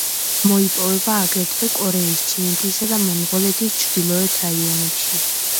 მოიპოვება აგრეთვე კორეის, ჩინეთისა და მონღოლეთის ჩრდილოეთ რაიონებში.